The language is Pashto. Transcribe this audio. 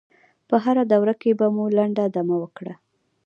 په هره دوره کې به مو لنډه دمه وکړه.